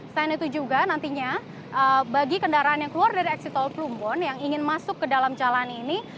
selain itu juga nantinya bagi kendaraan yang keluar dari eksit tol plumbon yang ingin masuk ke dalam jalan ini